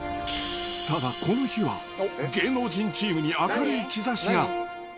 ただ、この日は芸能人チームに明るい兆しが。